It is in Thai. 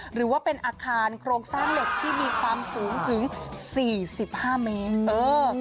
หรือว่าเป็นอาคารโครงสร้างเหล็กที่มีความสูงถึง๔๕เมตร